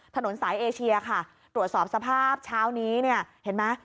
ถนนสายเอเชียค่ะตรวจสอบสภาพเช้านี้เนี่ยเห็นไหม